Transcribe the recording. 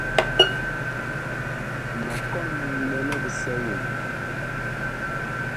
Ma kɔn ɓɛnɛ bisɛ woŋ.